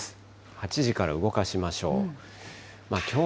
８時から動かしましょう。